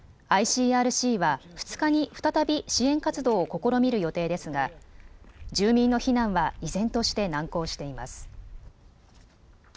ＩＣＲＣは２日に再び支援活動を試みる予定ですが住民の避難は依然として難航しています。